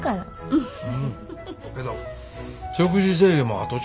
うん。